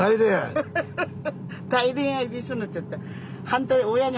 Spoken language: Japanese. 大恋愛で一緒になっちゃった。